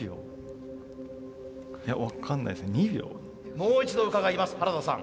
もう一度伺います原田さん。